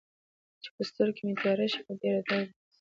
چې په سترګو مې تياره شي له ډېر درده